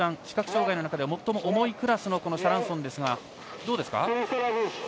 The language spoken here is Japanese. Ｂ１、視覚障がいの中では最も重いクラスのシャランソンですがどうですか？